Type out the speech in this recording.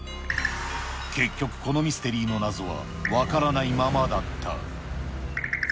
結局このミステリーの謎は分からないままだった。